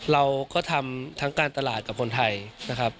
เราก็ทำทั้งการตลาดกับคนไทยนะครับ